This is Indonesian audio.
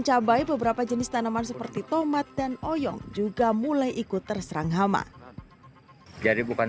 cabai beberapa jenis tanaman seperti tomat dan oyong juga mulai ikut terserang hama jadi bukan